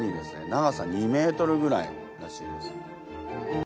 長さ２ｍぐらいらしいです。